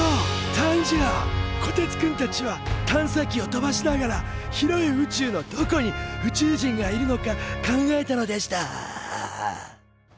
こてつくんたちは探査機を飛ばしながら広い宇宙のどこに宇宙人がいるのか考えたのでした